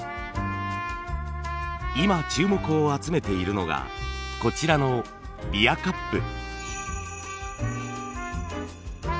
今注目を集めているのがこちらのビアカップ。